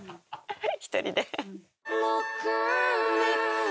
はい。